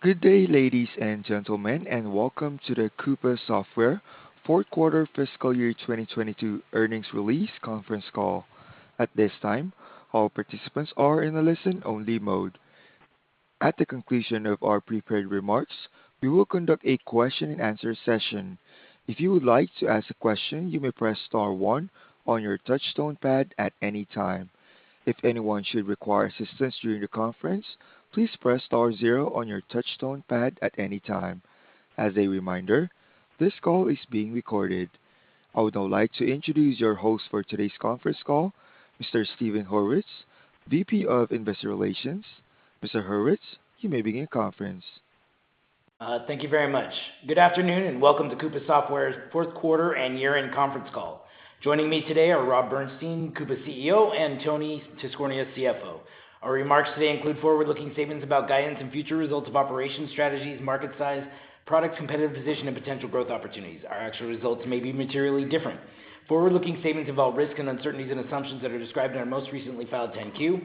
Good day, ladies and gentlemen, and welcome to the Coupa Software fourth quarter fiscal year 2022 earnings release conference call. At this time, all participants are in a listen-only mode. At the conclusion of our prepared remarks, we will conduct a question and answer session. If you would like to ask a question, you may press star one on your touch tone pad at any time. If anyone should require assistance during the conference, please press star zero on your touch tone pad at any time. As a reminder, this call is being recorded. I would now like to introduce your host for today's conference call, Mr. Steven Horwitz, VP of Investor Relations. Mr. Horwitz, you may begin conference. Thank you very much. Good afternoon, and welcome to Coupa Software's fourth quarter and year-end conference call. Joining me today are Rob Bernshteyn, Coupa CEO, and Tony Tiscornia, CFO. Our remarks today include forward-looking statements about guidance and future results of operations, strategies, market size, products, competitive position, and potential growth opportunities. Our actual results may be materially different. Forward-looking statements involve risks and uncertainties, and assumptions that are described in our most recently filed Form 10-Q.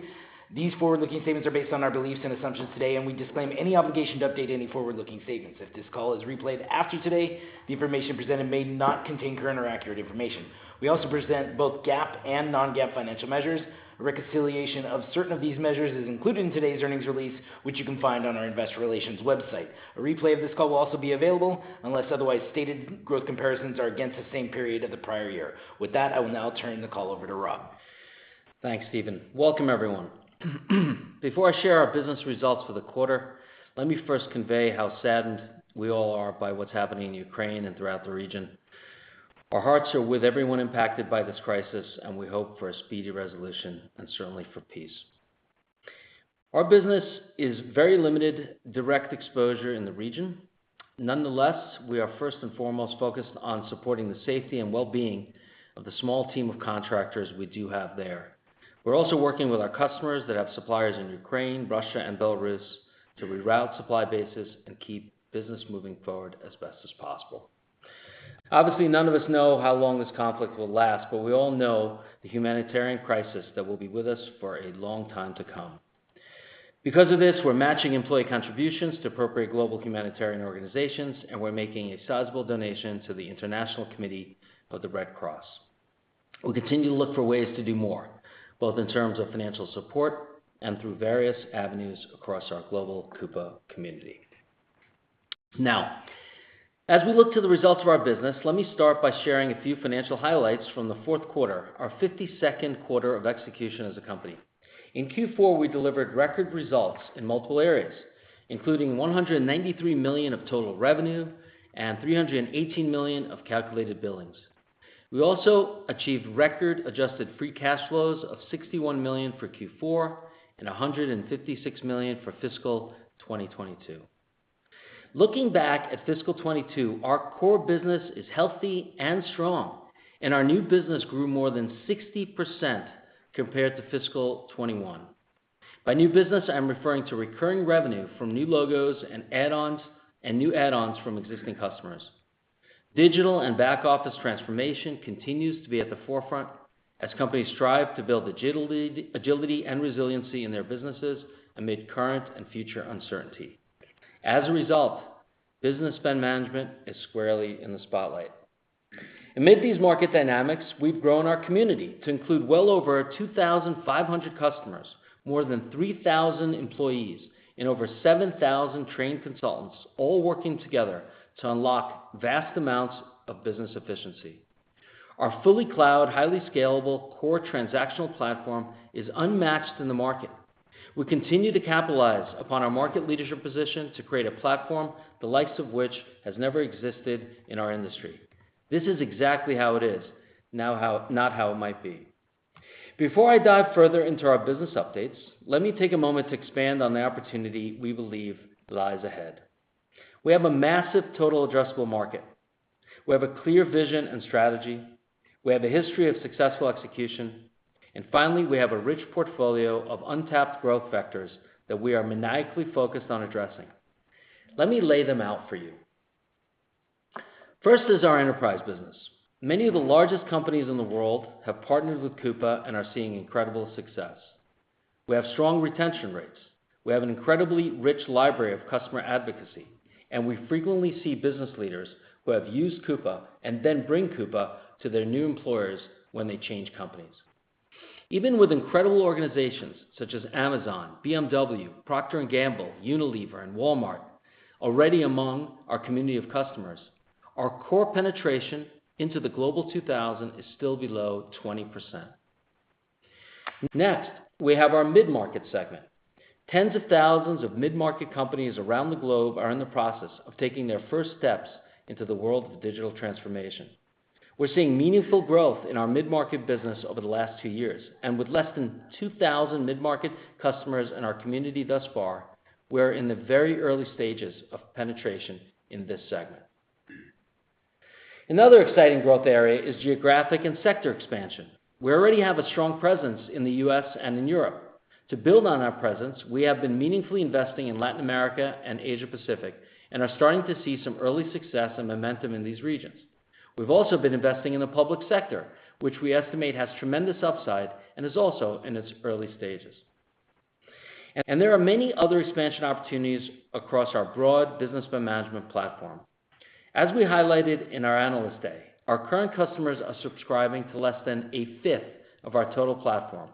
These forward-looking statements are based on our beliefs and assumptions today, and we disclaim any obligation to update any forward-looking statements. If this call is replayed after today, the information presented may not contain current or accurate information. We also present both GAAP and non-GAAP financial measures. A reconciliation of certain of these measures is included in today's earnings release, which you can find on our investor relations website. A replay of this call will also be available. Unless otherwise stated, growth comparisons are against the same period of the prior year. With that, I will now turn the call over to Rob. Thanks, Steven. Welcome, everyone. Before I share our business results for the quarter, let me first convey how saddened we all are by what's happening in Ukraine and throughout the region. Our hearts are with everyone impacted by this crisis, and we hope for a speedy resolution and certainly for peace. Our business is very limited direct exposure in the region. Nonetheless, we are first and foremost focused on supporting the safety and well-being of the small team of contractors we do have there. We're also working with our customers that have suppliers in Ukraine, Russia, and Belarus to reroute supply bases and keep business moving forward as best as possible. Obviously, none of us know how long this conflict will last, but we all know the humanitarian crisis that will be with us for a long time to come. Because of this, we're matching employee contributions to appropriate global humanitarian organizations, and we're making a sizable donation to the International Committee of the Red Cross. We'll continue to look for ways to do more, both in terms of financial support and through various avenues across our global Coupa community. Now, as we look to the results of our business, let me start by sharing a few financial highlights from the fourth quarter, our 52nd quarter of execution as a company. In Q4, we delivered record results in multiple areas, including $193 million of total revenue and $318 million of calculated billings. We also achieved record adjusted free cash flows of $61 million for Q4 and $156 million for fiscal 2022. Looking back at fiscal 2022, our core business is healthy and strong, and our new business grew more than 60% compared to fiscal 2021. By new business, I'm referring to recurring revenue from new logos and add-ons, and new add-ons from existing customers. Digital and back office transformation continues to be at the forefront as companies strive to build agility and resiliency in their businesses amid current and future uncertainty. As a result, business spend management is squarely in the spotlight. Amid these market dynamics, we've grown our community to include well over 2,500 customers, more than 3,000 employees, and over 7,000 trained consultants, all working together to unlock vast amounts of business efficiency. Our fully cloud, highly scalable core transactional platform is unmatched in the market. We continue to capitalize upon our market leadership position to create a platform the likes of which has never existed in our industry. This is exactly how it is, not how it might be. Before I dive further into our business updates, let me take a moment to expand on the opportunity we believe lies ahead. We have a massive total addressable market. We have a clear vision and strategy. We have a history of successful execution. Finally, we have a rich portfolio of untapped growth vectors that we are maniacally focused on addressing. Let me lay them out for you. First is our enterprise business. Many of the largest companies in the world have partnered with Coupa and are seeing incredible success. We have strong retention rates. We have an incredibly rich library of customer advocacy, and we frequently see business leaders who have used Coupa and then bring Coupa to their new employers when they change companies. Even with incredible organizations such as Amazon, BMW, Procter & Gamble, Unilever, and Walmart already among our community of customers, our core penetration into the Global 2000 is still below 20%. Next, we have our mid-market segment. Tens of thousands of mid-market companies around the globe are in the process of taking their first steps into the world of digital transformation. We're seeing meaningful growth in our mid-market business over the last 2 years, and with less than 2,000 mid-market customers in our community thus far, we're in the very early stages of penetration in this segment. Another exciting growth area is geographic and sector expansion. We already have a strong presence in the U.S. and in Europe. To build on our presence, we have been meaningfully investing in Latin America and Asia-Pacific and are starting to see some early success and momentum in these regions. We've also been investing in the public sector, which we estimate has tremendous upside and is also in its early stages. There are many other expansion opportunities across our broad business management platform. As we highlighted in our Analyst Day, our current customers are subscribing to less than a fifth of our total platform,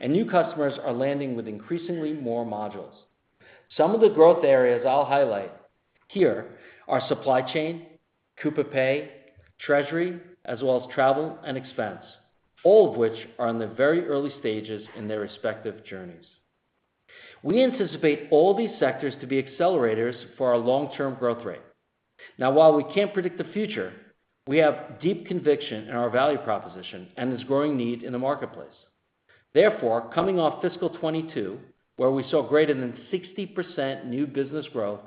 and new customers are landing with increasingly more modules. Some of the growth areas I'll highlight here are supply chain, Coupa Pay, treasury, as well as travel and expense, all of which are in the very early stages in their respective journeys. We anticipate all these sectors to be accelerators for our long-term growth rate. Now, while we can't predict the future, we have deep conviction in our value proposition and this growing need in the marketplace. Therefore, coming off fiscal 2022, where we saw greater than 60% new business growth,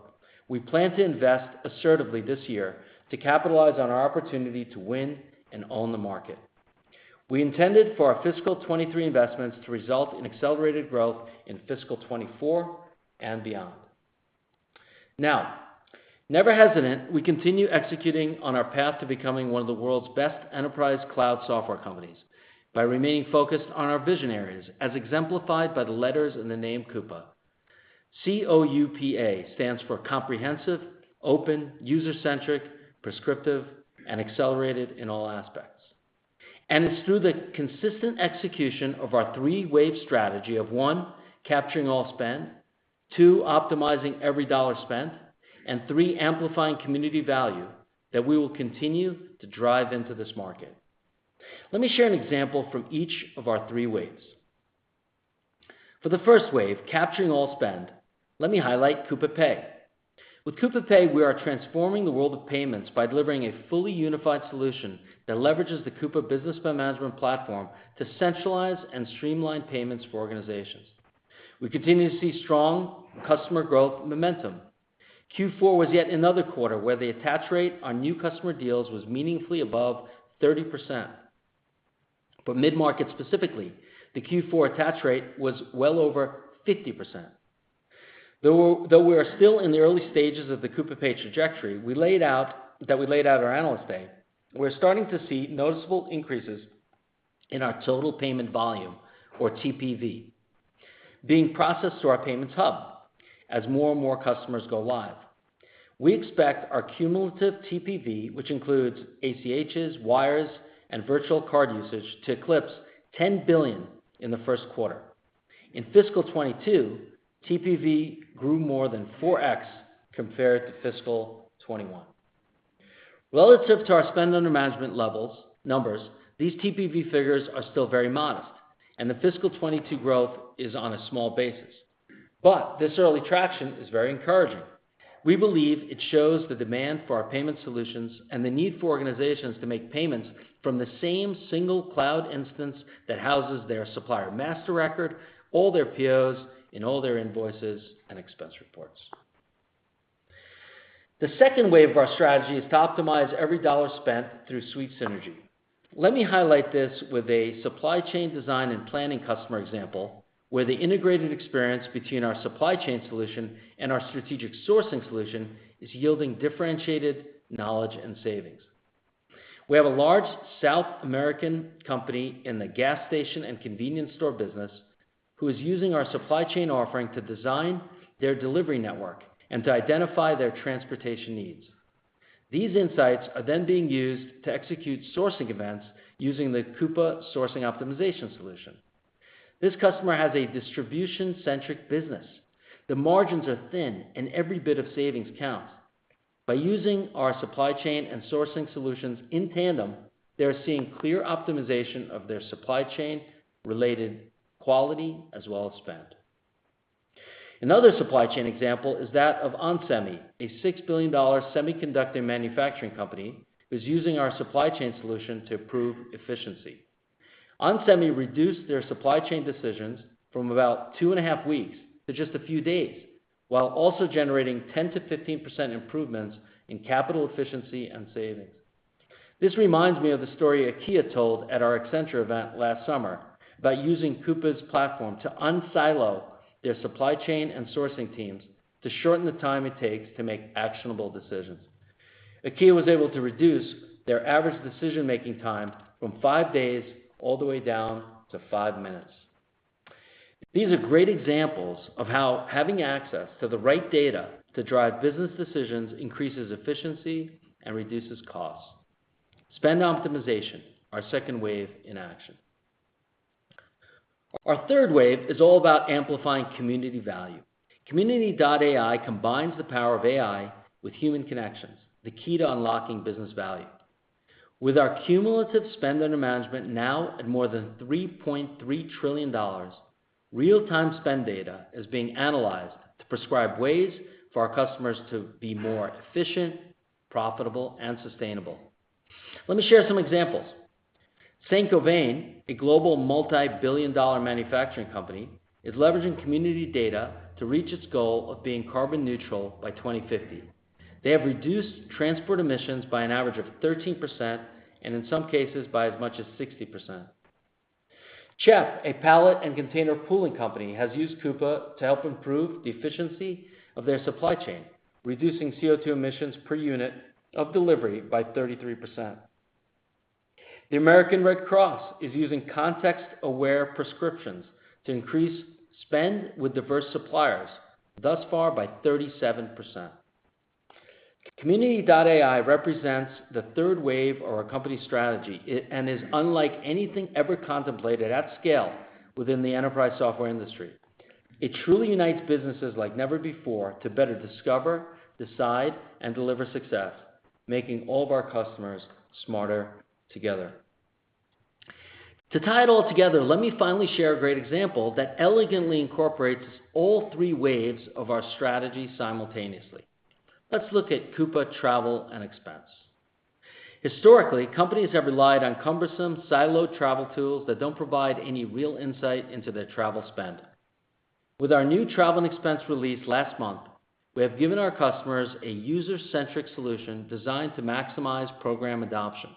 we plan to invest assertively this year to capitalize on our opportunity to win and own the market. We intended for our fiscal 2023 investments to result in accelerated growth in fiscal 2024 and beyond. Now, never hesitant, we continue executing on our path to becoming one of the world's best enterprise cloud software companies by remaining focused on our visionaries, as exemplified by the letters in the name Coupa. C-O-U-P-A stands for Comprehensive, Open, User-centric, Prescriptive, and Accelerated in all aspects. It's through the consistent execution of our three wave strategy of, one, capturing all spend, two, optimizing every dollar spent, and three, amplifying community value that we will continue to drive into this market. Let me share an example from each of our three waves. For the first wave, capturing all spend, let me highlight Coupa Pay. With Coupa Pay, we are transforming the world of payments by delivering a fully unified solution that leverages the Coupa Business Spend Management platform to centralize and streamline payments for organizations. We continue to see strong customer growth momentum. Q4 was yet another quarter where the attach rate on new customer deals was meaningfully above 30%. For mid-market specifically, the Q4 attach rate was well over 50%. Though we are still in the early stages of the Coupa Pay trajectory, that we laid out our Analyst Day, we're starting to see noticeable increases in our total payment volume, or TPV, being processed through our payments hub as more and more customers go live. We expect our cumulative TPV, which includes ACHs, wires, and virtual card usage, to eclipse $10 billion in the first quarter. In fiscal 2022, TPV grew more than 4x compared to fiscal 2021. Relative to our spend under management numbers, these TPV figures are still very modest, and the fiscal 2022 growth is on a small basis. This early traction is very encouraging. We believe it shows the demand for our payment solutions and the need for organizations to make payments from the same single cloud instance that houses their supplier master record, all their POs and all their invoices and expense reports. The second wave of our strategy is to optimize every dollar spent through suite synergy. Let me highlight this with a supply chain design and planning customer example, where the integrated experience between our supply chain solution and our strategic sourcing solution is yielding differentiated knowledge and savings. We have a large South American company in the gas station and convenience store business who is using our supply chain offering to design their delivery network and to identify their transportation needs. These insights are then being used to execute sourcing events using the Coupa sourcing optimization solution. This customer has a distribution-centric business. The margins are thin and every bit of savings counts. By using our supply chain and sourcing solutions in tandem, they are seeing clear optimization of their supply chain related quality as well as spend. Another supply chain example is that of onsemi, a $6 billion semiconductor manufacturing company who's using our supply chain solution to improve efficiency. onsemi reduced their supply chain decisions from about 2.5 weeks to just a few days, while also generating 10%-15% improvements in capital efficiency and savings. This reminds me of the story IKEA told at our Accenture event last summer about using Coupa's platform to unsilo their supply chain and sourcing teams to shorten the time it takes to make actionable decisions. IKEA was able to reduce their average decision-making time from five days all the way down to five minutes. These are great examples of how having access to the right data to drive business decisions increases efficiency and reduces costs. Spend optimization, our second wave in action. Our third wave is all about amplifying community value. Community.ai combines the power of AI with human connections, the key to unlocking business value. With our cumulative spend under management now at more than $3.3 trillion, real-time spend data is being analyzed to prescribe ways for our customers to be more efficient, profitable, and sustainable. Let me share some examples. Saint-Gobain, a global multi-billion-dollar manufacturing company, is leveraging community data to reach its goal of being carbon neutral by 2050. They have reduced transport emissions by an average of 13% and in some cases by as much as 60%. CHEP, a pallet and container pooling company, has used Coupa to help improve the efficiency of their supply chain, reducing CO2 emissions per unit of delivery by 33%. The American Red Cross is using context-aware prescriptions to increase spend with diverse suppliers, thus far by 33%. Community.ai represents the third wave of our company strategy and is unlike anything ever contemplated at scale within the enterprise software industry. It truly unites businesses like never before to better discover, decide, and deliver success, making all of our customers smarter together. To tie it all together, let me finally share a great example that elegantly incorporates all three waves of our strategy simultaneously. Let's look at Coupa Travel & Expense. Historically, companies have relied on cumbersome siloed travel tools that don't provide any real insight into their travel spend. With our new travel and expense release last month, we have given our customers a user-centric solution designed to maximize program adoption.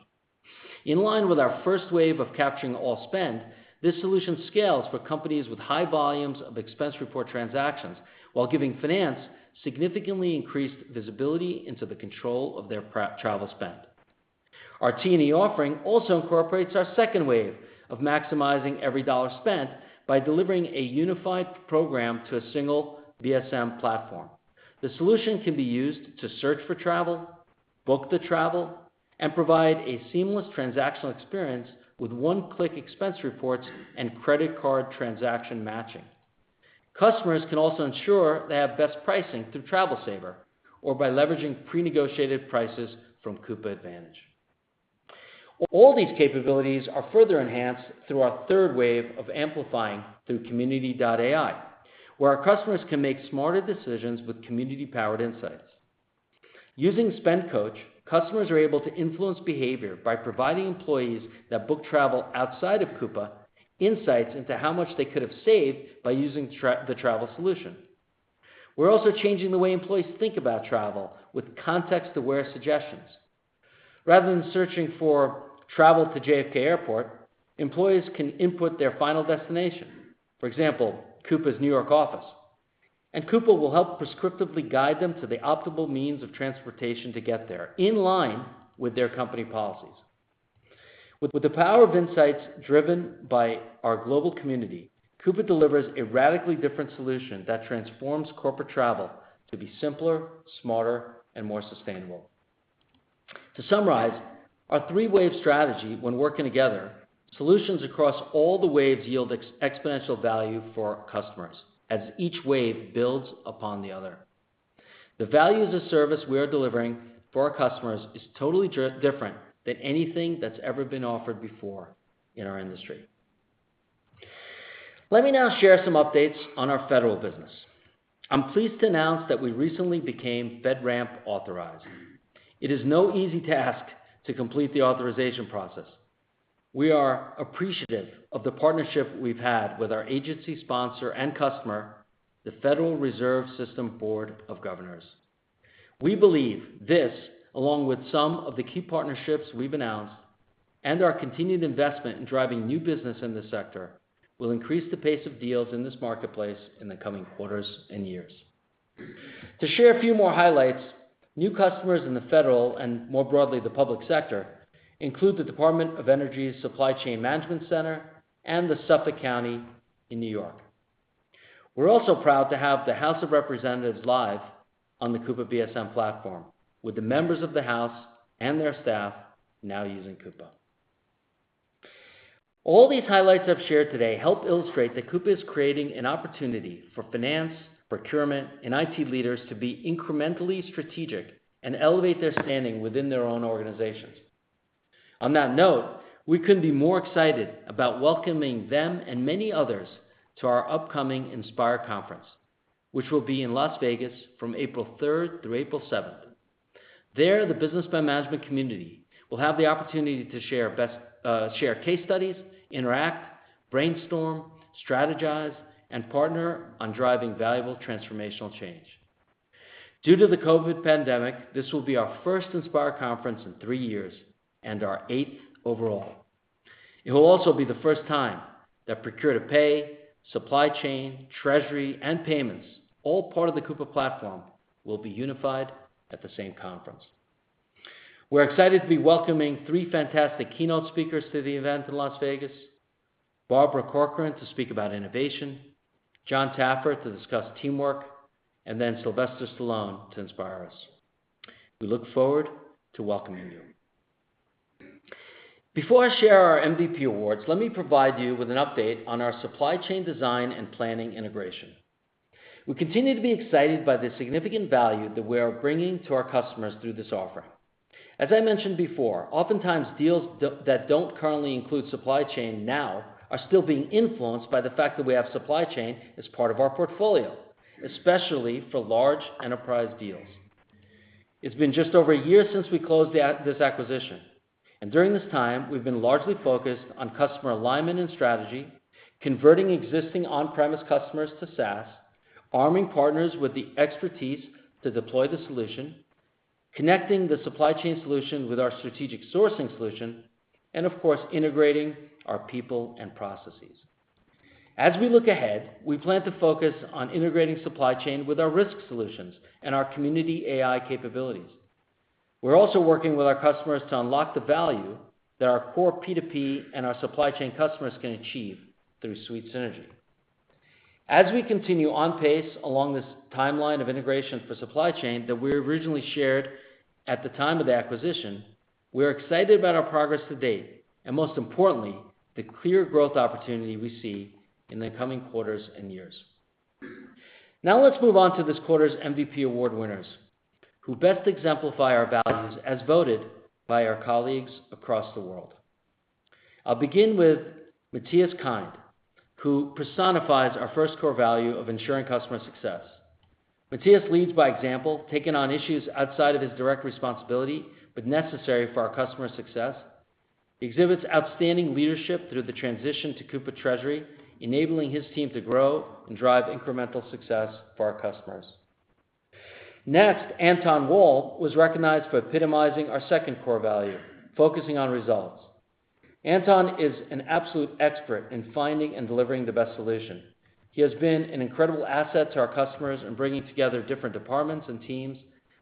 In line with our first wave of capturing all spend, this solution scales for companies with high volumes of expense report transactions while giving finance significantly increased visibility into the control of their travel spend. Our T&E offering also incorporates our second wave of maximizing every dollar spent by delivering a unified program to a single BSM platform. The solution can be used to search for travel, book the travel, and provide a seamless transactional experience with one-click expense reports and credit card transaction matching. Customers can also ensure they have best pricing through Travel Saver or by leveraging pre-negotiated prices from Coupa Advantage. All these capabilities are further enhanced through our third wave of amplifying through Community.ai, where our customers can make smarter decisions with community-powered insights. Using Spend Coach, customers are able to influence behavior by providing employees that book travel outside of Coupa insights into how much they could have saved by using the travel solution. We're also changing the way employees think about travel with context-aware suggestions. Rather than searching for travel to JFK Airport, employees can input their final destination, for example, Coupa's New York office, and Coupa will help prescriptively guide them to the optimal means of transportation to get there in line with their company policies. With the power of insights driven by our global community, Coupa delivers a radically different solution that transforms corporate travel to be simpler, smarter, and more sustainable. To summarize, our three-wave strategy when working together, solutions across all the waves yield exponential value for our customers as each wave builds upon the other. The value as a service we are delivering for our customers is totally different than anything that's ever been offered before in our industry. Let me now share some updates on our federal business. I'm pleased to announce that we recently became FedRAMP authorized. It is no easy task to complete the authorization process. We are appreciative of the partnership we've had with our agency sponsor and customer, the Board of Governors of the Federal Reserve System. We believe this, along with some of the key partnerships we've announced and our continued investment in driving new business in this sector, will increase the pace of deals in this marketplace in the coming quarters and years. To share a few more highlights, new customers in the federal and more broadly the public sector include the Department of Energy's Supply Chain Management Center and the Suffolk County in New York. We're also proud to have the House of Representatives live on the Coupa BSM platform with the members of the House and their staff now using Coupa. All these highlights I've shared today help illustrate that Coupa is creating an opportunity for finance, procurement, and IT leaders to be incrementally strategic and elevate their standing within their own organizations. On that note, we couldn't be more excited about welcoming them and many others to our upcoming Inspire Conference, which will be in Las Vegas from April third through April seventh. There, the business management community will have the opportunity to share case studies, interact, brainstorm, strategize, and partner on driving valuable transformational change. Due to the COVID pandemic, this will be our first Inspire Conference in three years and our eighth overall. It will also be the first time that procure-to-pay, supply chain, treasury, and payments, all part of the Coupa platform, will be unified at the same conference. We're excited to be welcoming three fantastic keynote speakers to the event in Las Vegas. Barbara Corcoran to speak about innovation, Jon Taffer to discuss teamwork, and then Sylvester Stallone to inspire us. We look forward to welcoming you. Before I share our MVP awards, let me provide you with an update on our supply chain design and planning integration. We continue to be excited by the significant value that we are bringing to our customers through this offering. As I mentioned before, oftentimes deals that don't currently include supply chain now are still being influenced by the fact that we have supply chain as part of our portfolio, especially for large enterprise deals. It's been just over a year since we closed this acquisition, and during this time we've been largely focused on customer alignment and strategy, converting existing on-premise customers to SaaS, arming partners with the expertise to deploy the solution, connecting the supply chain solution with our strategic sourcing solution, and of course, integrating our people and processes. As we look ahead, we plan to focus on integrating supply chain with our risk solutions and our community AI capabilities. We're also working with our customers to unlock the value that our core P2P and our supply chain customers can achieve through suite synergy. We continue on pace along this timeline of integration for supply chain that we originally shared at the time of the acquisition. We're excited about our progress to date, and most importantly, the clear growth opportunity we see in the coming quarters and years. Now let's move on to this quarter's MVP award winners who best exemplify our values as voted by our colleagues across the world. I'll begin with Matthias Heiden, who personifies our first core value of ensuring customer success. Matthias leads by example, taking on issues outside of his direct responsibility, but necessary for our customer success. He exhibits outstanding leadership through the transition to Coupa Treasury, enabling his team to grow and drive incremental success for our customers. Next, Anton Wall was recognized for epitomizing our second core value, focusing on results. Anton is an absolute expert in finding and delivering the best solution. He has been an incredible asset to our customers in bringing together different departments and teams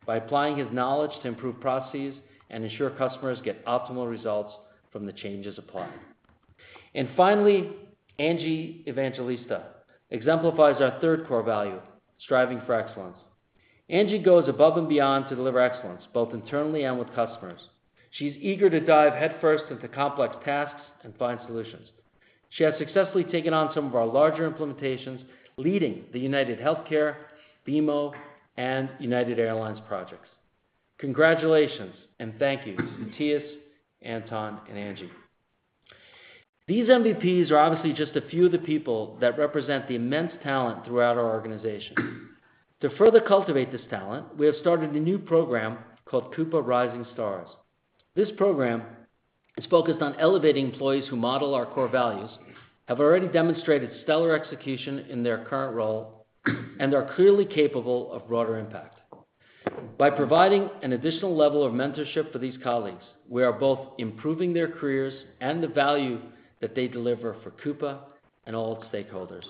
by applying his knowledge to improve processes and ensure customers get optimal results from the changes applied. Finally, Angie Evangelista exemplifies our third core value, striving for excellence. Angie goes above and beyond to deliver excellence both internally and with customers. She's eager to dive headfirst into complex tasks and find solutions. She has successfully taken on some of our larger implementations, leading the UnitedHealthcare, BMO, and United Airlines projects. Congratulations, and thank you to Matthias, Anton, and Angie. These MVPs are obviously just a few of the people that represent the immense talent throughout our organization. To further cultivate this talent, we have started a new program called Coupa Rising Stars. This program is focused on elevating employees who model our core values, have already demonstrated stellar execution in their current role, and are clearly capable of broader impact. By providing an additional level of mentorship for these colleagues, we are both improving their careers and the value that they deliver for Coupa and all its stakeholders.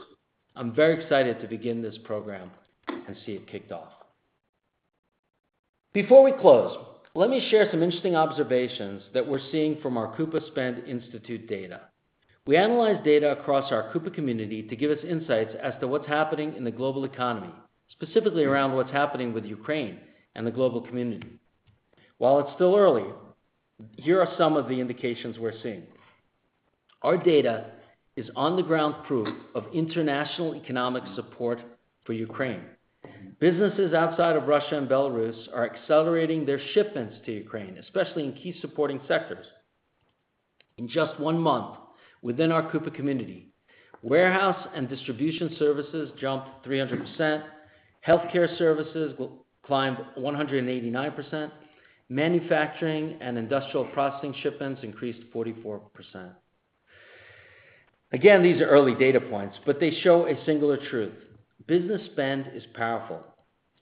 I'm very excited to begin this program and see it kicked off. Before we close, let me share some interesting observations that we're seeing from our Coupa Spend Institute data. We analyze data across our Coupa community to give us insights as to what's happening in the global economy, specifically around what's happening with Ukraine and the global community. While it's still early, here are some of the indications we're seeing. Our data is on-the-ground proof of international economic support for Ukraine. Businesses outside of Russia and Belarus are accelerating their shipments to Ukraine, especially in key supporting sectors. In just one month within our Coupa community, warehouse and distribution services jumped 300%. Healthcare services climbed 189%. Manufacturing and industrial processing shipments increased 44%. Again, these are early data points, but they show a singular truth. Business spend is powerful,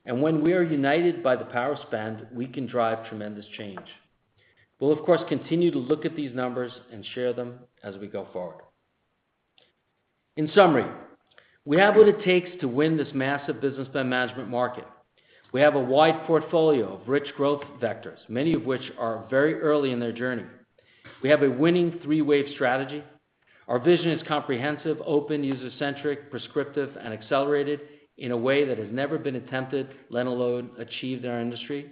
and when we are united by the power of spend, we can drive tremendous change. We'll of course continue to look at these numbers and share them as we go forward. In summary, we have what it takes to win this massive business spend management market. We have a wide portfolio of rich growth vectors, many of which are very early in their journey. We have a winning three-wave strategy. Our vision is comprehensive, open, user-centric, prescriptive, and accelerated in a way that has never been attempted, let alone achieved in our industry.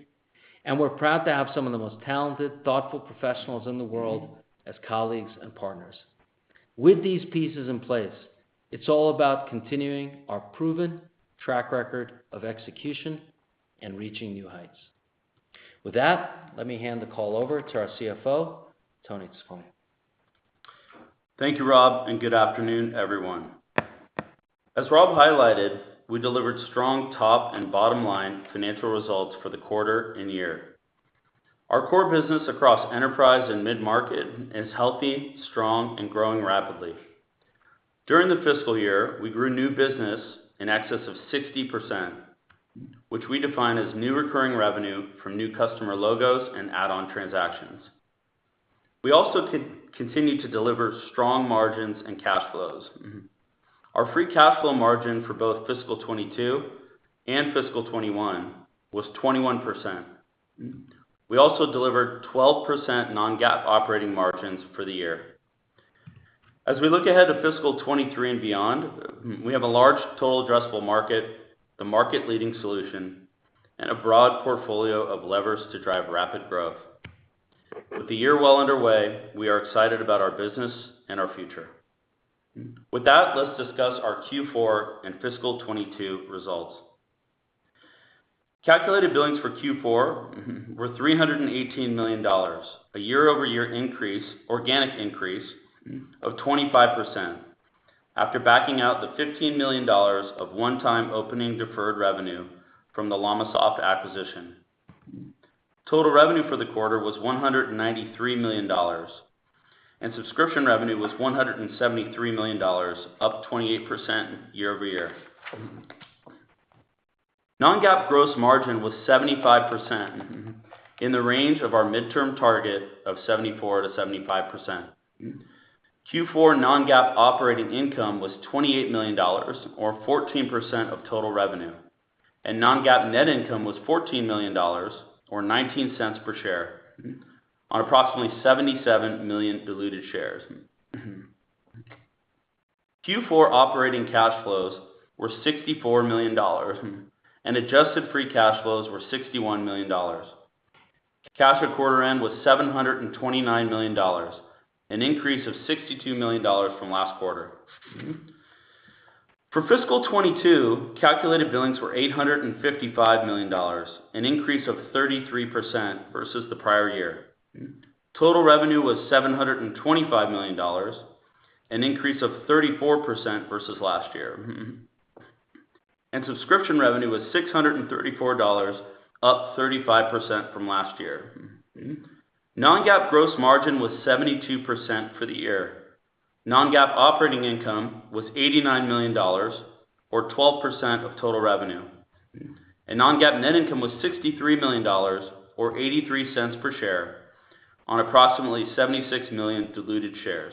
We're proud to have some of the most talented, thoughtful professionals in the world as colleagues and partners. With these pieces in place, it's all about continuing our proven track record of execution and reaching new heights. With that, let me hand the call over to our CFO, Tony Tiscornia. Thank you, Rob, and good afternoon, everyone. As Rob highlighted, we delivered strong top and bottom line financial results for the quarter and year. Our core business across enterprise and mid-market is healthy, strong, and growing rapidly. During the fiscal year, we grew new business in excess of 60%, which we define as new recurring revenue from new customer logos and add-on transactions. We also continue to deliver strong margins and cash flows. Our free cash flow margin for both fiscal 2022 and fiscal 2021 was 21%. We also delivered 12% non-GAAP operating margins for the year. As we look ahead to fiscal 2023 and beyond, we have a large total addressable market, the market-leading solution, and a broad portfolio of levers to drive rapid growth. With the year well underway, we are excited about our business and our future. With that, let's discuss our Q4 and fiscal 2022 results. Calculated billings for Q4 were $318 million, a year-over-year increase, organic increase of 25% after backing out the $15 million of one-time opening deferred revenue from the LLamasoft acquisition. Total revenue for the quarter was $193 million. Subscription revenue was $173 million, up 28% year-over-year. Non-GAAP gross margin was 75% in the range of our midterm target of 74%-75%. Q4 non-GAAP operating income was $28 million or 14% of total revenue, and non-GAAP net income was $14 million or $0.19 per share on approximately 77 million diluted shares. Q4 operating cash flows were $64 million, and adjusted free cash flows were $61 million. Cash at quarter end was $729 million, an increase of $62 million from last quarter. For fiscal 2022, calculated billings were $855 million, an increase of 33% versus the prior year. Total revenue was $725 million, an increase of 34% versus last year. Subscription revenue was $634 million, up 35% from last year. Non-GAAP gross margin was 72% for the year. Non-GAAP operating income was $89 million or 12% of total revenue. Non-GAAP net income was $63 million or $0.83 per share on approximately 76 million diluted shares.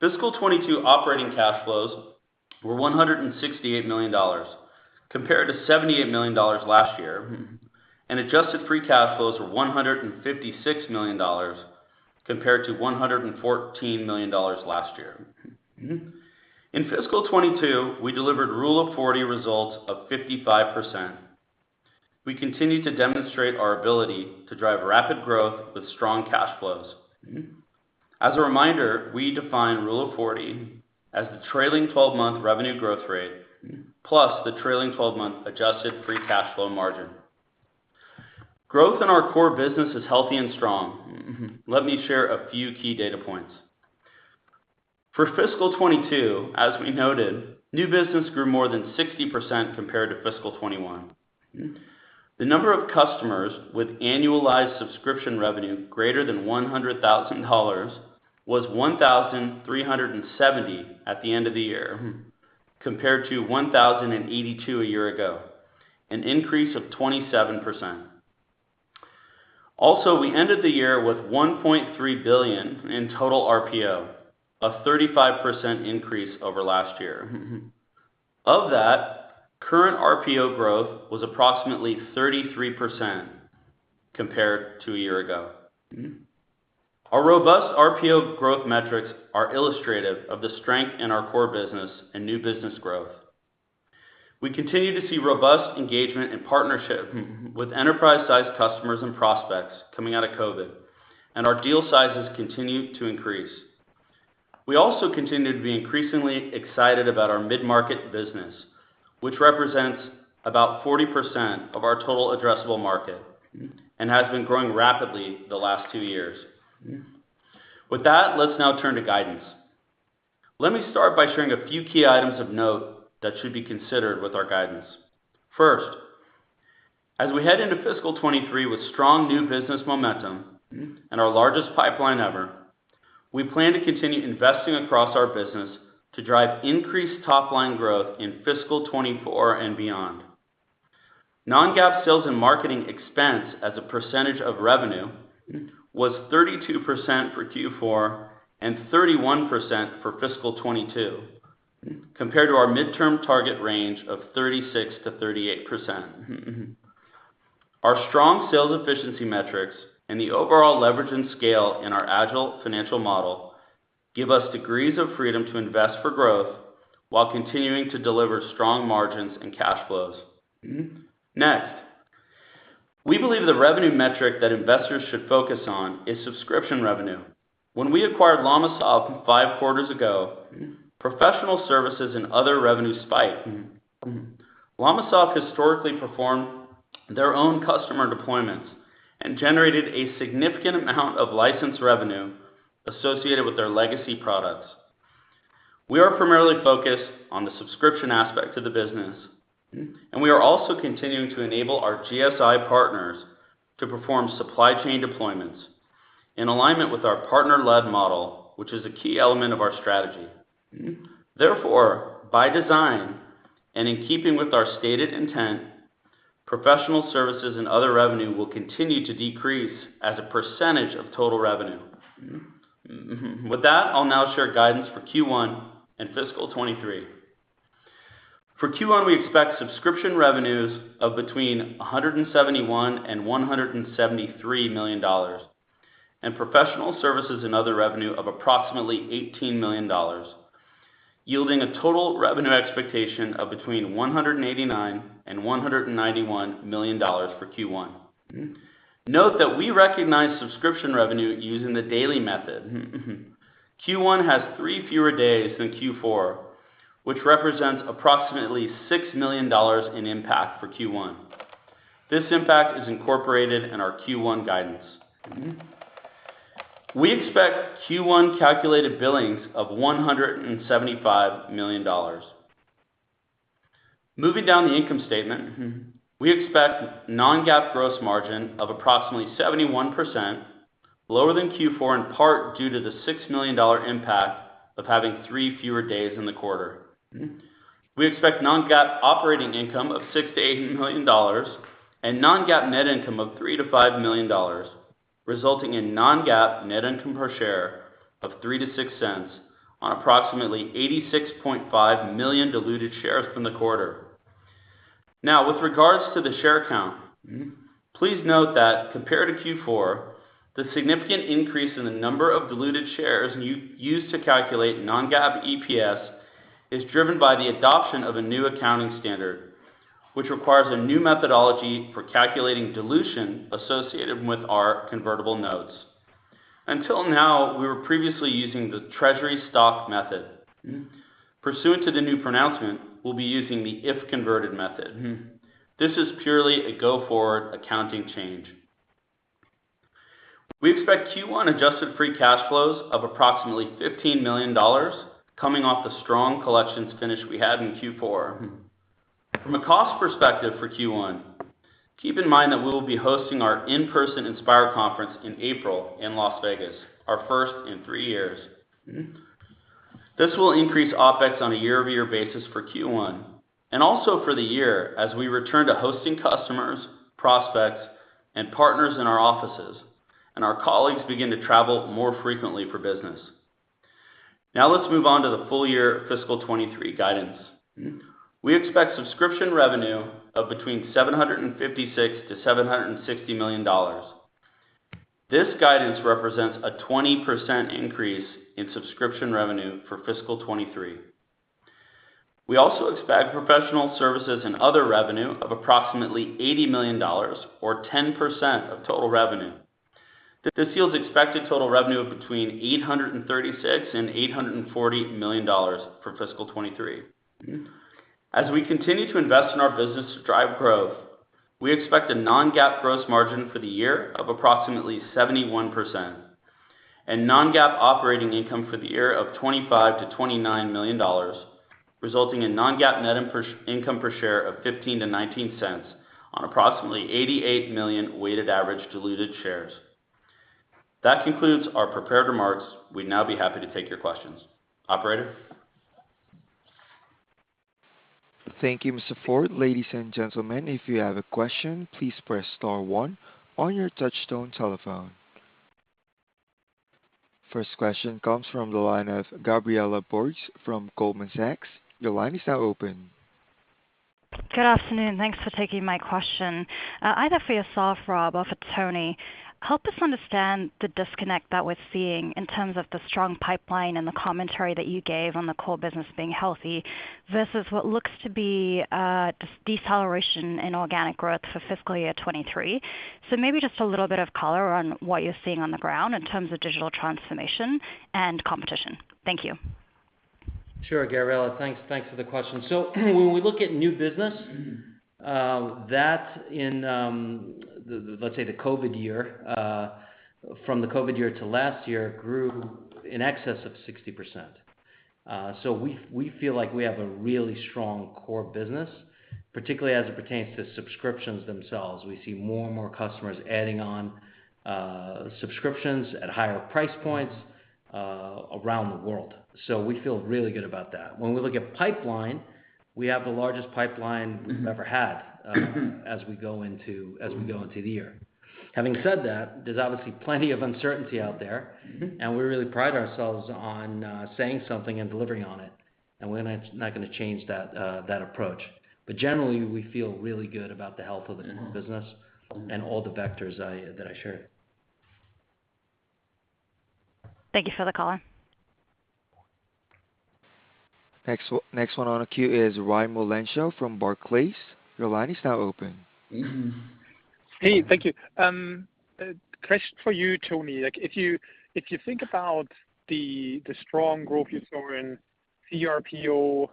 Fiscal 2022 operating cash flows were $168 million compared to $78 million last year, and adjusted free cash flows were $156 million compared to $114 million last year. In Fiscal 2022, we delivered Rule of 40 results of 55%. We continue to demonstrate our ability to drive rapid growth with strong cash flows. As a reminder, we define Rule of 40 as the trailing twelve-month revenue growth rate, plus the trailing twelve-month adjusted free cash flow margin. Growth in our core business is healthy and strong. Let me share a few key data points. For Fiscal 2022, as we noted, new business grew more than 60% compared to Fiscal 2021. The number of customers with annualized subscription revenue greater than $100,000 was 1,370 at the end of the year, compared to 1,082 a year ago, an increase of 27%. We ended the year with $1.3 billion in total RPO, a 35% increase over last year. Of that, current RPO growth was approximately 33% compared to a year ago. Our robust RPO growth metrics are illustrative of the strength in our core business and new business growth. We continue to see robust engagement and partnership with enterprise-sized customers and prospects coming out of COVID, and our deal sizes continue to increase. We also continue to be increasingly excited about our mid-market business, which represents about 40% of our total addressable market and has been growing rapidly the last two years. With that, let's now turn to guidance. Let me start by sharing a few key items of note that should be considered with our guidance. First, as we head into fiscal 2023 with strong new business momentum and our largest pipeline ever, we plan to continue investing across our business to drive increased top-line growth in fiscal 2024 and beyond. Non-GAAP sales and marketing expense as a percentage of revenue was 32% for Q4 and 31% for fiscal 2022, compared to our midterm target range of 36%-38%. Our strong sales efficiency metrics and the overall leverage and scale in our agile financial model give us degrees of freedom to invest for growth while continuing to deliver strong margins and cash flows. Next, we believe the revenue metric that investors should focus on is subscription revenue. When we acquired LLamasoft five quarters ago, professional services and other revenue spiked. LLamasoft historically performed their own customer deployments and generated a significant amount of license revenue associated with their legacy products. We are primarily focused on the subscription aspect of the business, and we are also continuing to enable our GSI partners to perform supply chain deployments in alignment with our partner-led model, which is a key element of our strategy. Therefore, by design, and in keeping with our stated intent, professional services and other revenue will continue to decrease as a percentage of total revenue. With that, I'll now share guidance for Q1 and fiscal 2023. For Q1, we expect subscription revenues of between $171 million-$173 million, and professional services and other revenue of approximately $18 million, yielding a total revenue expectation of between $189 million-$191 million for Q1. Note that we recognize subscription revenue using the daily method. Q1 has three fewer days than Q4, which represents approximately $6 million in impact for Q1. This impact is incorporated in our Q1 guidance. We expect Q1 calculated billings of $175 million. Moving down the income statement, we expect non-GAAP gross margin of approximately 71%, lower than Q4, in part due to the $6 million impact of having three fewer days in the quarter. We expect non-GAAP operating income of $6 million-$8 million and non-GAAP net income of $3 million-$5 million, resulting in non-GAAP net income per share of $0.03-$0.06 on approximately 86.5 million diluted shares for the quarter. Now, with regards to the share count, please note that compared to Q4, the significant increase in the number of diluted shares used to calculate non-GAAP EPS is driven by the adoption of a new accounting standard, which requires a new methodology for calculating dilution associated with our convertible notes. Until now, we were previously using the treasury stock method. Pursuant to the new pronouncement, we'll be using the if converted method. This is purely a go-forward accounting change. We expect Q1 adjusted free cash flows of approximately $15 million coming off the strong collections finish we had in Q4. From a cost perspective for Q1, keep in mind that we will be hosting our in-person Inspire Conference in April in Las Vegas, our first in three years. This will increase OpEx on a year-over-year basis for Q1 and also for the year as we return to hosting customers, prospects, and partners in our offices, and our colleagues begin to travel more frequently for business. Now let's move on to the full year fiscal 2023 guidance. We expect subscription revenue of between $756 million-$760 million. This guidance represents a 20% increase in subscription revenue for fiscal 2023. We also expect professional services and other revenue of approximately $80 million or 10% of total revenue. This yields expected total revenue of between $836 million-$840 million for fiscal 2023. We continue to invest in our business to drive growth. We expect a non-GAAP gross margin for the year of approximately 71% and non-GAAP operating income for the year of $25 million-$29 million, resulting in non-GAAP net income per share of $0.15-$0.19 on approximately 88 million weighted average diluted shares. That concludes our prepared remarks. We'd now be happy to take your questions. Operator? Thank you, Todd Ford. Ladies and gentlemen, if you have a question, please press star one on your touch-tone telephone. First question comes from the line of Gabriela Borges from Goldman Sachs. Your line is now open. Good afternoon. Thanks for taking my question. Either for yourself, Rob, or for Tony, help us understand the disconnect that we're seeing in terms of the strong pipeline and the commentary that you gave on the core business being healthy versus what looks to be, this deceleration in organic growth for fiscal year 2023. Maybe just a little bit of color on what you're seeing on the ground in terms of digital transformation and competition. Thank you. Sure, Gabriela. Thanks, thanks for the question. When we look at new business that in the COVID year from the COVID year to last year grew in excess of 60%. We feel like we have a really strong core business, particularly as it pertains to subscriptions themselves. We see more and more customers adding on subscriptions at higher price points around the world. We feel really good about that. When we look at pipeline, we have the largest pipeline we've ever had as we go into the year. Having said that, there's obviously plenty of uncertainty out there, and we really pride ourselves on saying something and delivering on it, and we're not gonna change that approach. Generally, we feel really good about the health of the business and all the vectors that I shared. Thank you for the color. Next one on the queue is Raimo Lenschow from Barclays. Your line is now open. Hey, thank you. A question for you, Tony. Like, if you think about the strong growth you saw in CRPO,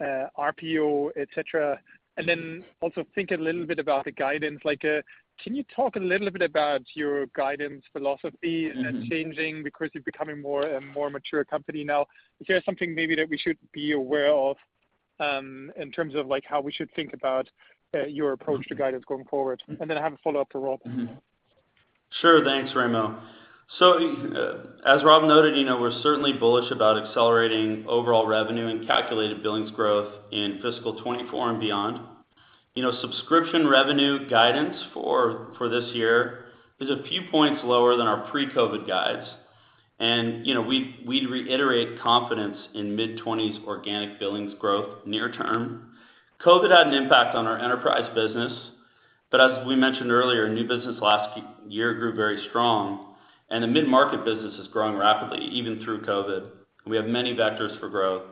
RPO, etc., and then also think a little bit about the guidance, like, can you talk a little bit about your guidance philosophy and it changing because you're becoming more and more mature company now? Is there something maybe that we should be aware of, in terms of, like, how we should think about your approach to guidance going forward? And then I have a follow-up to Rob. Sure. Thanks, Raimo. As Rob noted, you know, we're certainly bullish about accelerating overall revenue and calculated billings growth in fiscal 2024 and beyond. You know, subscription revenue guidance for this year is a few points lower than our pre-COVID guides. You know, we reiterate confidence in mid-20s organic billings growth near term. COVID had an impact on our enterprise business, but as we mentioned earlier, new business last year grew very strong and the mid-market business is growing rapidly, even through COVID. We have many vectors for growth.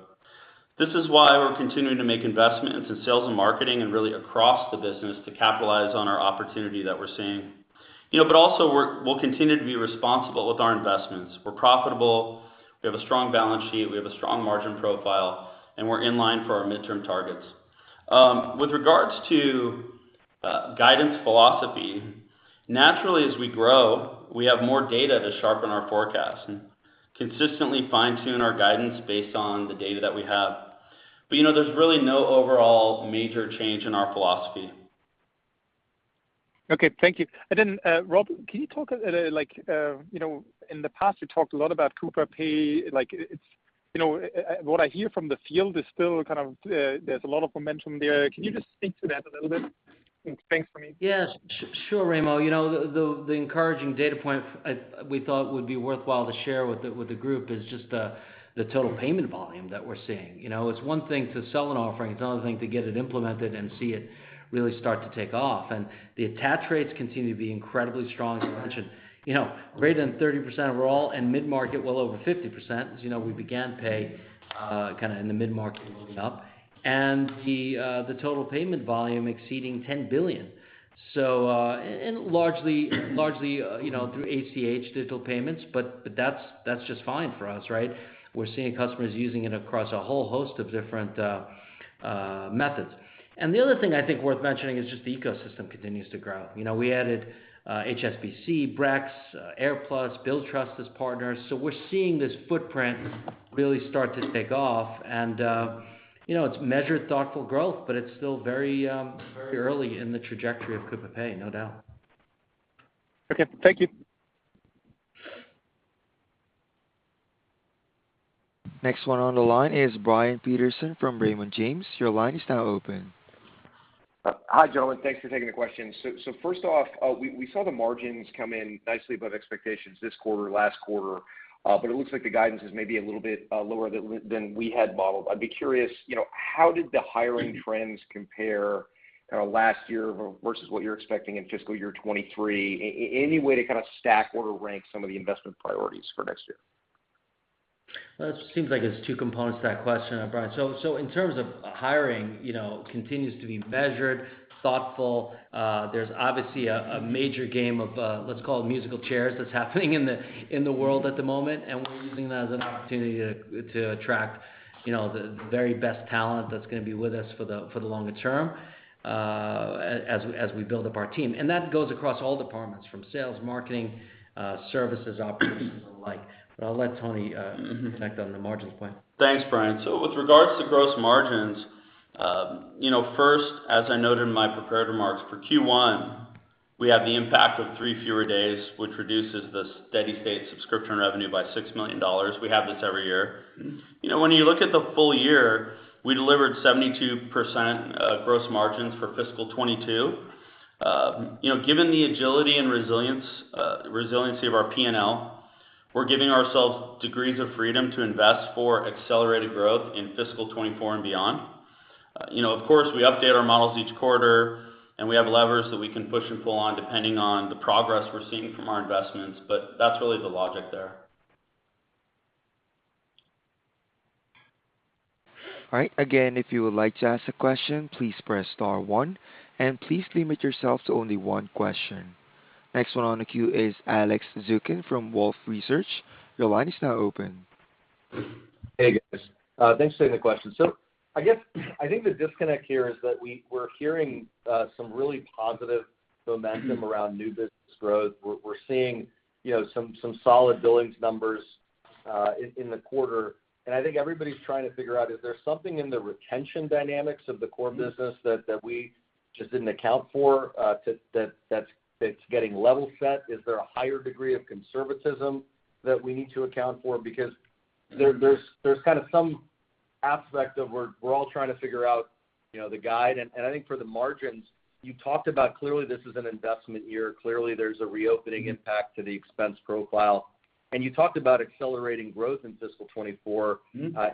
This is why we're continuing to make investments in sales and marketing and really across the business to capitalize on our opportunity that we're seeing. You know, but also we'll continue to be responsible with our investments. We're profitable. We have a strong balance sheet. We have a strong margin profile, and we're in line for our midterm targets. With regards to guidance philosophy, naturally, as we grow, we have more data to sharpen our forecast and consistently fine-tune our guidance based on the data that we have. You know, there's really no overall major change in our philosophy. Okay, thank you. Rob, can you talk about, like, you know, in the past, you talked a lot about Coupa Pay. Like it's, you know, what I hear from the field is still kind of there's a lot of momentum there. Can you just speak to that a little bit? Thanks. For me. Yes. Sure, Raimo Lenschow. You know, the encouraging data point we thought would be worthwhile to share with the group is just the total payment volume that we're seeing. You know, it's one thing to sell an offering. It's another thing to get it implemented and see it really start to take off. The attach rates continue to be incredibly strong, as you mentioned. You know, greater than 30% overall and mid-market well over 50%. As you know, we began Pay kinda in the mid-market and moving up. The total payment volume exceeding $10 billion and largely through ACH digital payments, but that's just fine for us, right? We're seeing customers using it across a whole host of different methods. The other thing I think worth mentioning is just the ecosystem continues to grow. You know, we added HSBC, Brex, AirPlus, Billtrust as partners. So we're seeing this footprint really start to take off. You know, it's measured, thoughtful growth, but it's still very, very early in the trajectory of Coupa Pay, no doubt. Okay. Thank you. Next one on the line is Brian Peterson from Raymond James. Your line is now open. Hi, gentlemen. Thanks for taking the questions. First off, we saw the margins come in nicely above expectations this quarter, last quarter, but it looks like the guidance is maybe a little bit lower than we had modeled. I'd be curious, you know, how did the hiring trends compare, last year versus what you're expecting in fiscal year 2023? Any way to kinda stack or rank some of the investment priorities for next year? Well, it seems like there's two components to that question, Brian. In terms of hiring, you know, continues to be measured, thoughtful. There's obviously a major game of, let's call it musical chairs, that's happening in the world at the moment, and we're using that as an opportunity to attract, you know, the very best talent that's gonna be with us for the longer term, as we build up our team. That goes across all departments, from sales, marketing, services, operations, and the like. I'll let Tony connect on the margins point. Thanks, Brian. With regards to gross margins, first, as I noted in my prepared remarks, for Q1, we have the impact of three fewer days, which reduces the steady state subscription revenue by $6 million. We have this every year. Mm-hmm. You know, when you look at the full year, we delivered 72% gross margins for fiscal 2022. You know, given the agility and resilience, resiliency of our P&L, we're giving ourselves degrees of freedom to invest for accelerated growth in fiscal 2024 and beyond. You know, of course, we update our models each quarter, and we have levers that we can push and pull on depending on the progress we're seeing from our investments, but that's really the logic there. All right. Again, if you would like to ask a question, please press star one, and please limit yourself to only one question. Next one on the queue is Alex Zukin from Wolfe Research. Your line is now open. Hey, guys. Thanks for taking the question. I guess, I think the disconnect here is that we're hearing some really positive momentum around new business growth. We're seeing, you know, some solid billings numbers in the quarter. I think everybody's trying to figure out, is there something in the retention dynamics of the core business that we just didn't account for, that's getting level set? Is there a higher degree of conservatism that we need to account for? Because there's kind of some aspect of we're all trying to figure out, you know, the guide. I think for the margins, you talked about clearly this is an investment year. Clearly, there's a reopening impact to the expense profile. You talked about accelerating growth in fiscal 2024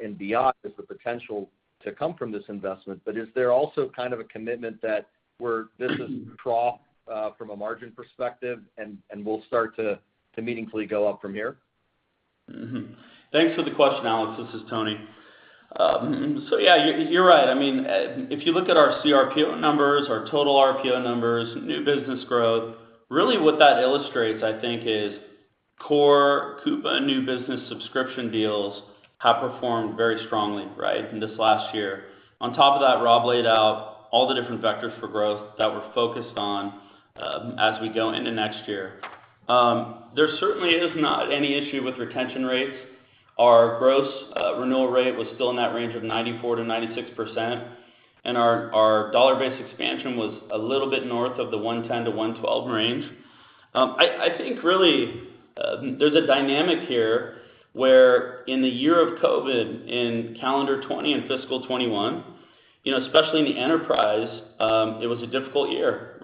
and beyond as the potential to come from this investment. Is there also kind of a commitment that this is trough from a margin perspective and we'll start to meaningfully go up from here? Thanks for the question, Alex. This is Tony. Yeah, you're right. I mean, if you look at our CRPO numbers, our total RPO numbers, new business growth, really what that illustrates, I think, is core Coupa new business subscription deals have performed very strongly, right, in this last year. On top of that, Rob laid out all the different vectors for growth that we're focused on as we go into next year. There certainly is not any issue with retention rates. Our gross renewal rate was still in that range of 94%-96%, and our dollar-based expansion was a little bit north of the 110%-112% range. I think really, there's a dynamic here where in the year of COVID, in calendar 2020 and fiscal 2021, you know, especially in the enterprise, it was a difficult year,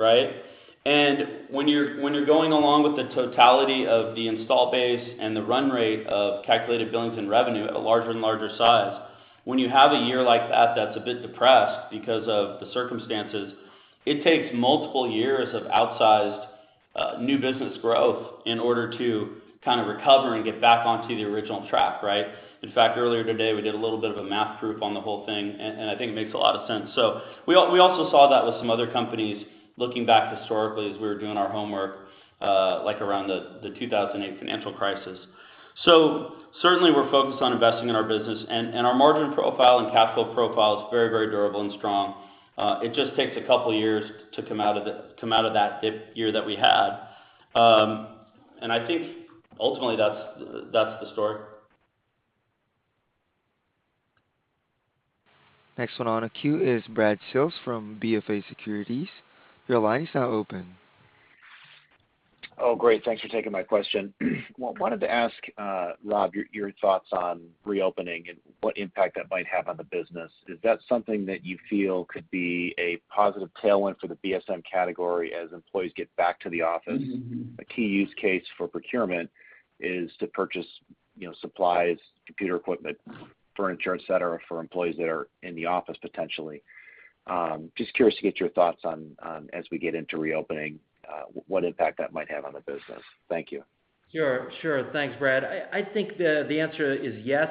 right? When you're going along with the totality of the install base and the run rate of calculated billings and revenue at a larger and larger size, when you have a year like that that's a bit depressed because of the circumstances, it takes multiple years of outsized new business growth in order to kind of recover and get back onto the original track, right? In fact, earlier today, we did a little bit of a math proof on the whole thing, and I think it makes a lot of sense. We also saw that with some other companies looking back historically as we were doing our homework, like around the 2008 financial crisis. Certainly we're focused on investing in our business, and our margin profile and capital profile is very, very durable and strong. It just takes a couple of years to come out of that dip year that we had. I think ultimately that's the story. Next one on the queue is Brad Sills from BofA Securities. Your line is now open. Oh, great. Thanks for taking my question. Well, I wanted to ask, Rob, your thoughts on reopening and what impact that might have on the business. Is that something that you feel could be a positive tailwind for the BSM category as employees get back to the office? Mm-hmm. A key use case for procurement is to purchase, you know, supplies, computer equipment, furniture, et cetera, for employees that are in the office potentially. Just curious to get your thoughts on as we get into reopening, what impact that might have on the business. Thank you. Sure. Thanks, Brad. I think the answer is yes.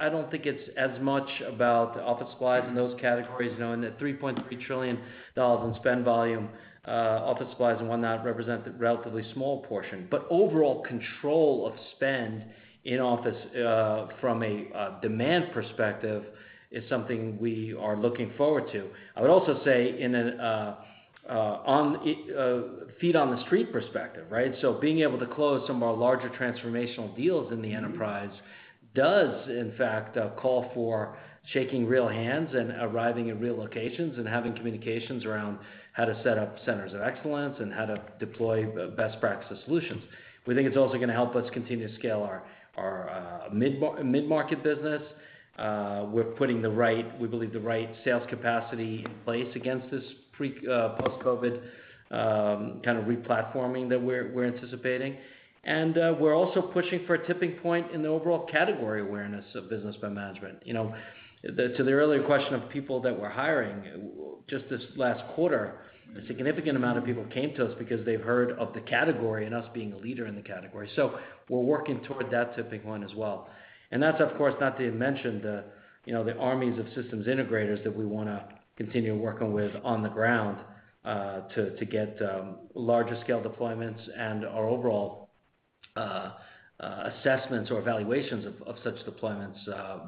I don't think it's as much about office supplies and those categories. You know, in the $3.3 trillion in spend volume, office supplies and whatnot represent a relatively small portion. Overall control of spend in office from a demand perspective is something we are looking forward to. I would also say on feet on the street perspective, right? Being able to close some of our larger transformational deals in the enterprise does in fact call for shaking real hands and arriving in real locations, and having communications around how to set up centers of excellence and how to deploy the best practice solutions. We think it's also gonna help us continue to scale our midmarket business. We're putting the right sales capacity in place against this pre, post-COVID kind of replatforming that we're anticipating. We're also pushing for a tipping point in the overall category awareness of business spend management. You know, to the earlier question of people that we're hiring, we just this last quarter, a significant amount of people came to us because they've heard of the category and us being a leader in the category. We're working toward that tipping point as well. That's, of course, not to mention the armies of systems integrators that we wanna continue working with on the ground to get larger scale deployments and our overall assessments or evaluations of such deployments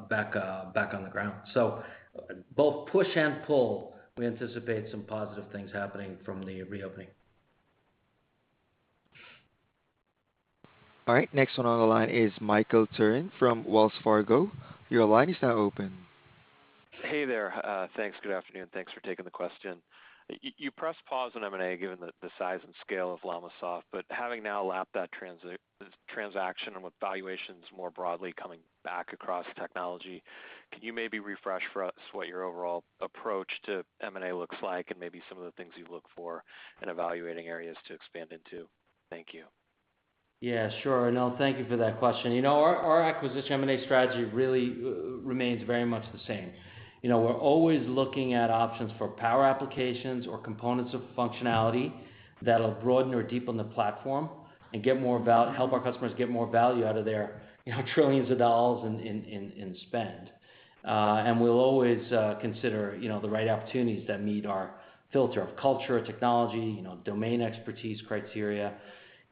back on the ground. Both push and pull, we anticipate some positive things happening from the reopening. All right. Next one on the line is Michael Turrin from Wells Fargo. Your line is now open. Hey there. Thanks. Good afternoon. Thanks for taking the question. You pressed pause on M&A given the size and scale of LLamasoft. Having now lapped that transaction and with valuations more broadly coming back across technology, can you maybe refresh for us what your overall approach to M&A looks like and maybe some of the things you look for in evaluating areas to expand into? Thank you. Yeah, sure. No, thank you for that question. You know, our acquisition M&A strategy really remains very much the same. You know, we're always looking at options for power applications or components of functionality that'll broaden or deepen the platform and help our customers get more value out of their, you know, trillions of dollars in spend. We'll always consider, you know, the right opportunities that meet our filter of culture, technology, you know, domain expertise criteria.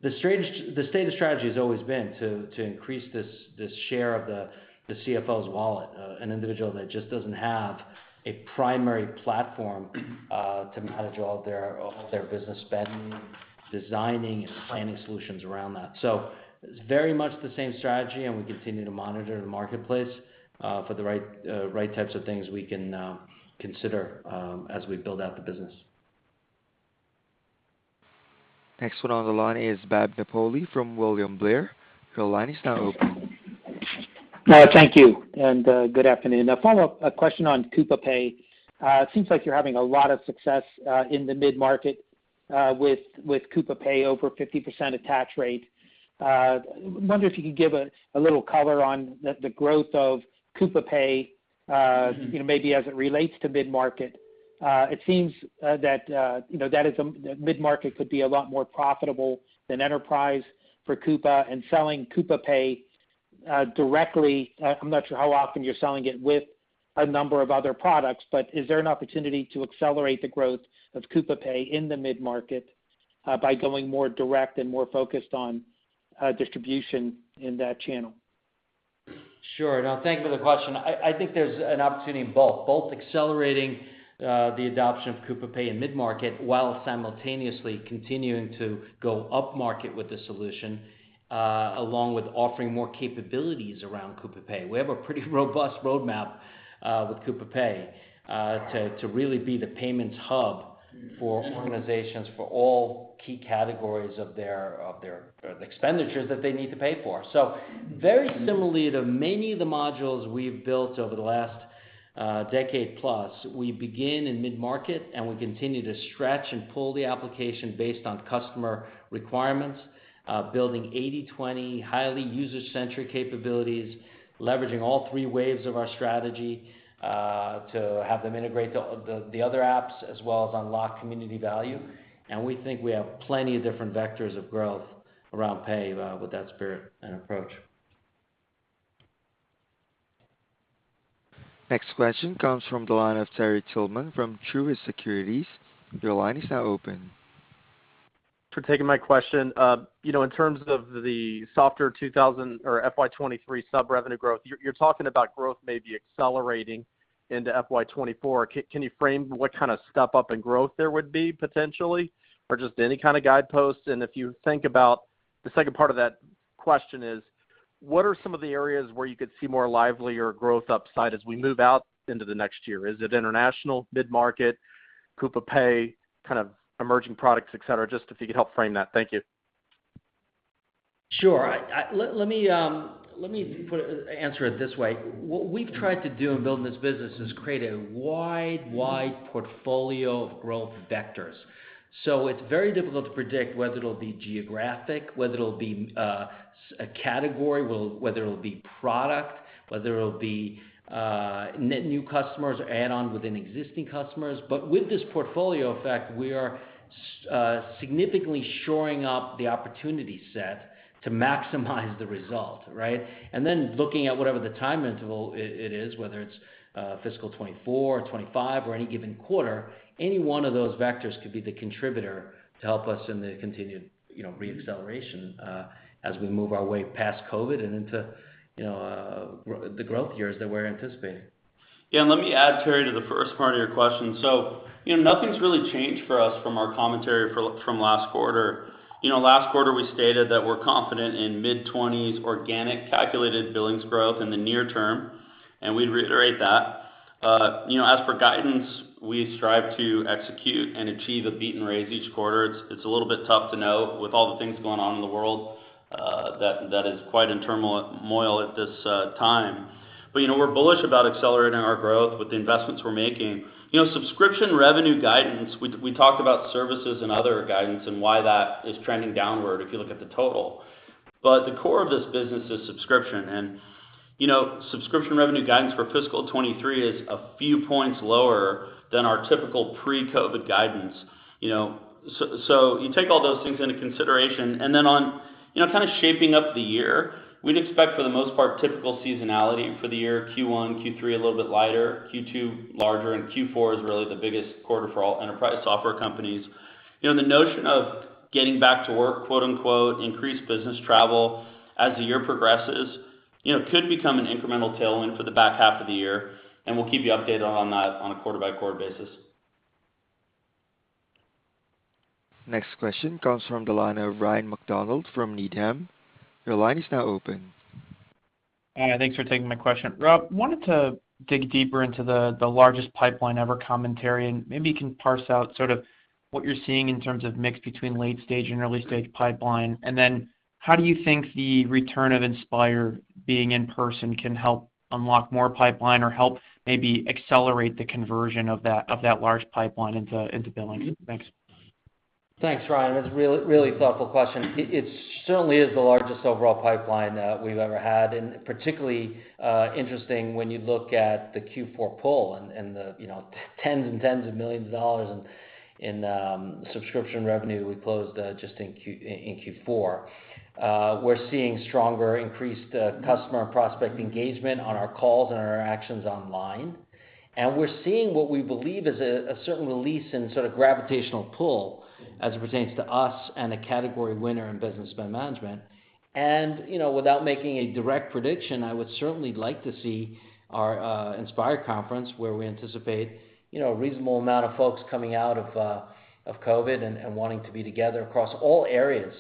The state of strategy has always been to increase this share of the CFO's wallet, an individual that just doesn't have a primary platform to manage all of their business spend, designing and planning solutions around that. It's very much the same strategy, and we continue to monitor the marketplace for the right types of things we can consider as we build out the business. Next one on the line is Bob Napoli from William Blair. Your line is now open. Thank you, good afternoon. A follow-up question on Coupa Pay. It seems like you're having a lot of success in the midmarket with Coupa Pay over 50% attach rate. I wonder if you could give a little color on the growth of Coupa Pay. Mm-hmm. You know, maybe as it relates to midmarket. It seems that you know midmarket could be a lot more profitable than enterprise for Coupa and selling Coupa Pay directly. I'm not sure how often you're selling it with a number of other products, but is there an opportunity to accelerate the growth of Coupa Pay in the midmarket by going more direct and more focused on distribution in that channel? Sure. No, thank you for the question. I think there's an opportunity in both. Both accelerating the adoption of Coupa Pay in midmarket, while simultaneously continuing to go upmarket with the solution, along with offering more capabilities around Coupa Pay. We have a pretty robust roadmap with Coupa Pay to really be the payments hub for organizations for all key categories of their the expenditures that they need to pay for. Very similarly to many of the modules we've built over the last decade plus, we begin in midmarket, and we continue to stretch and pull the application based on customer requirements, building 80/20 highly user-centric capabilities, leveraging all three waves of our strategy to have them integrate the other apps as well as unlock community value. We think we have plenty of different vectors of growth around Pay, with that spirit and approach. Next question comes from the line of Terry Tillman from Truist Securities. Your line is now open. for taking my question. You know, in terms of the softer 2023 or FY 2023 subscription revenue growth, you're talking about growth maybe accelerating into FY 2024. Can you frame what kind of step up in growth there would be potentially? Or just any kind of guideposts. The second part of that question is, what are some of the areas where you could see more livelier growth upside as we move out into the next year? Is it international, mid-market, Coupa Pay, kind of emerging products, et cetera? Just if you could help frame that. Thank you. Sure. Let me answer it this way. What we've tried to do in building this business is create a wide portfolio of growth vectors. It's very difficult to predict whether it'll be geographic, whether it'll be category, whether it'll be product, whether it'll be net new customers or add-on within existing customers. With this portfolio effect, we are significantly shoring up the opportunity set to maximize the result, right? Looking at whatever the time interval it is, whether it's fiscal 2024 or 2025 or any given quarter, any one of those vectors could be the contributor to help us in the continued, you know, re-acceleration as we move our way past COVID and into, you know, the growth years that we're anticipating. Yeah, let me add, Terry, to the first part of your question. You know, nothing's really changed for us from our commentary from last quarter. You know, last quarter we stated that we're confident in mid-20s organic calculated billings growth in the near term, and we reiterate that. You know, as for guidance, we strive to execute and achieve a beat and raise each quarter. It's a little bit tough to know with all the things going on in the world, that is quite in turmoil at this time. You know, we're bullish about accelerating our growth with the investments we're making. You know, subscription revenue guidance, we talked about services and other guidance and why that is trending downward if you look at the total. The core of this business is subscription. You know, subscription revenue guidance for fiscal 2023 is a few points lower than our typical pre-COVID guidance, you know. So you take all those things into consideration, and then on, you know, kind of shaping up the year, we'd expect for the most part typical seasonality for the year, Q1, Q3 a little bit lighter, Q2 larger, and Q4 is really the biggest quarter for all enterprise software companies. You know, the notion of getting back to work, quote-unquote, increased business travel as the year progresses, you know, could become an incremental tailwind for the back half of the year, and we'll keep you updated on that on a quarter-by-quarter basis. Next question comes from the line of Ryan MacDonald from Needham. Your line is now open. Thanks for taking my question. Rob, wanted to dig deeper into the largest pipeline ever commentary, and maybe you can parse out sort of what you're seeing in terms of mix between late stage and early stage pipeline. Then how do you think the return of Inspire being in person can help unlock more pipeline or help maybe accelerate the conversion of that large pipeline into billings? Thanks. Thanks, Ryan. That's really thoughtful question. It certainly is the largest overall pipeline that we've ever had, and particularly interesting when you look at the Q4 pull and the, you know, tens of millions of dollars in subscription revenue we closed just in Q4. We're seeing stronger increased customer and prospect engagement on our calls and our interactions online. We're seeing what we believe is a certain release in sort of gravitational pull as it pertains to us and a category winner in Business Spend Management. You know, without making a direct prediction, I would certainly like to see our Inspire conference, where we anticipate, you know, a reasonable amount of folks coming out of of COVID and wanting to be together across all areas